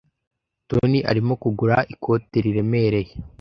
Toni arimo kugura ikote riremereye.